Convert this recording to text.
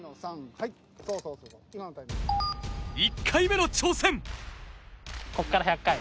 １回目の挑戦。